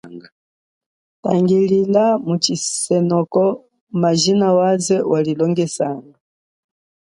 Tangilila mu chisoneko majina waze walilongesanga.